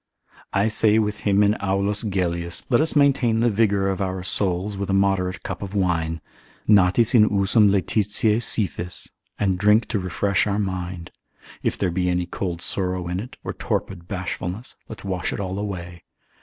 I say with him in A. Gellius, let us maintain the vigour of our souls with a moderate cup of wine, Natis in usum laetitiae scyphis, and drink to refresh our mind; if there be any cold sorrow in it, or torpid bashfulness, let's wash it all away.